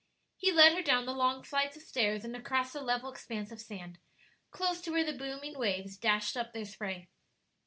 He led her down the long flights of stairs and across the level expanse of sand, close to where the booming waves dashed up their spray.